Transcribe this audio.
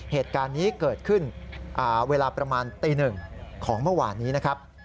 เหตุการณ์นี้เกิดขึ้นเวลาประมาณตีหนึ่งของเมื่อวานนี้นะครับ